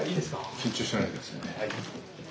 緊張しないで下さいね。